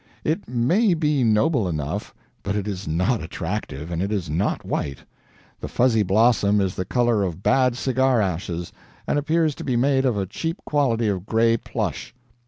It may be noble enough, but it is not attractive, and it is not white. The fuzzy blossom is the color of bad cigar ashes, and appears to be made of a cheap quality of gray plush.